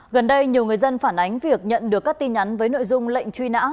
gần đây nhiều người dân phản ánh việc nhận được các tin nhắn với nội dung lệnh truy nã